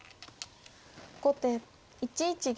後手１一玉。